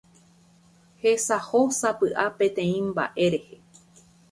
hesahósapy'a peteĩ mba'e rehe